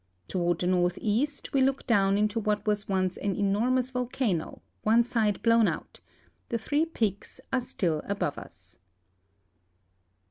Toward the northeast we look down into whsit was ,once an enormous volcano, one side blown out ; the three peaks are still above us.